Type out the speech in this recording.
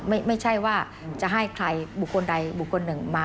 ไม่ใช่ว่าจะให้ใครบุคคลใดบุคคลหนึ่งมา